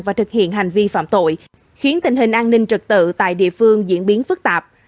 và thực hiện hành vi phạm tội khiến tình hình an ninh trật tự tại địa phương diễn biến phức tạp